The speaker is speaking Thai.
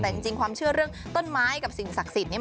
แต่จริงความเชื่อเรื่องต้นไม้กับสิ่งศักดิ์สิทธิ์เนี่ย